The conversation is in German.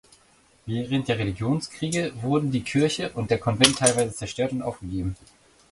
Während der Religionskriege wurden die Kirche und der Konvent teilweise zerstört und aufgegeben.